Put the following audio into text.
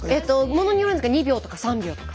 ものによるんですが２秒とか３秒とか。